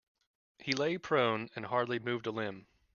He lay prone and hardly moved a limb.